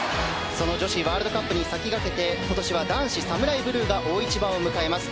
その女子ワールドカップに先駆けて今年は男子のサムライブルーが大一番を迎えます。